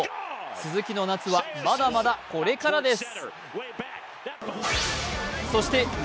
鈴木の夏はまだまだこれからです。